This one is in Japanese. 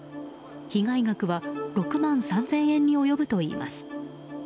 被害額は６万３０００円に及ぶといいます。